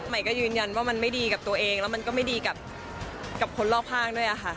ใหม่ก็ยืนยันว่ามันไม่ดีกับตัวเองแล้วมันก็ไม่ดีกับคนรอบข้างด้วยค่ะ